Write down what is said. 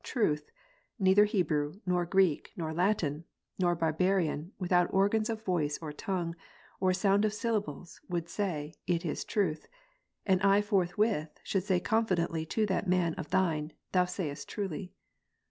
Truth, neither Hebrew, nor Greek, nor Latin, nor barbarian, Avith out organs of voice or tongue, or sound of syllables, would say " It is truth," and I forthwith should say confidently to that man of Thine, " thou sayest truly."